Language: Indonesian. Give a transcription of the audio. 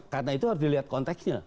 karena itu harus dilihat konteksnya